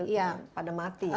jadi pada mati